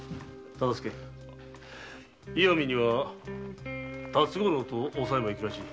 石見には辰五郎とおさいも行くらしい。